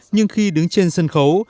nhưng khi đứng trên sân khấu